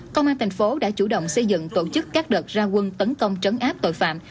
công an thành phố đã chủ động xây dựng tổ chức các đợt ra quân tấn công trấn áp tội phạm